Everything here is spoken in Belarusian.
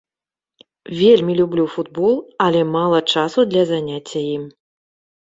Вельмі люблю футбол, але мала часу для заняцця ім.